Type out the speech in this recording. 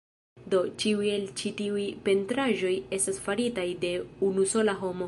Do, ĉiuj el ĉi tiuj pentraĵoj estas faritaj de unu sola homo